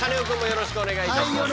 よろしくお願いします。